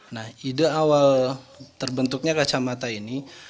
nah ide awal terbentuknya kacamata ini